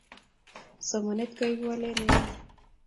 somanet koipu walet neo